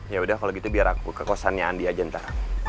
yaudah kalau gitu biar aku ke kosannya andi aja ntar